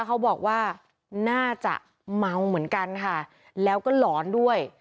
เขาบอกว่าน่าจะเมาเหมือนกันค่ะแล้วก็หลอนด้วย